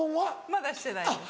まだしてないです。